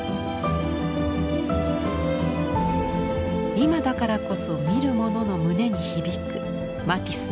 今だからこそ見る者の胸に響くマティスの魅力。